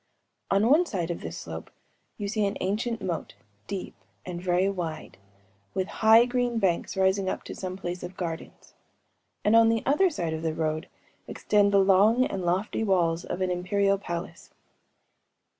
On one side of this slope you see an ancient moat, deep and very wide, with high green banks rising up to some place of gardens;‚ÄĒand on the other side of the road extend the long and lofty walls of an imperial palace.